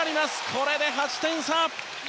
これで８点差。